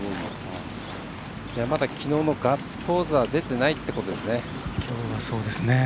まだきのうのガッツポーズは出てないんですね。